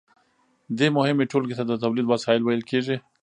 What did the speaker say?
دې مهمې ټولګې ته د تولید وسایل ویل کیږي.